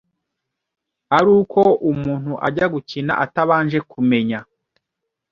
ari uko umuntu ajya gukina atabanje kumenya